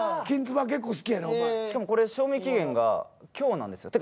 しかもこれ賞味期限が今日なんですよ。